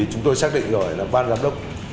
chúng tôi xác định rồi là ban giám đốc